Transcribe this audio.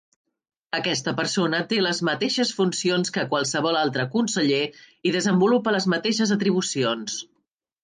Aquesta persona té les mateixes funcions que qualsevol altre Conseller i desenvolupa les mateixes atribucions.